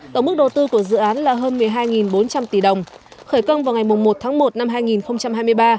tổng mức đầu tư của dự án là hơn một mươi hai bốn trăm linh tỷ đồng khởi công vào ngày một tháng một năm hai nghìn hai mươi ba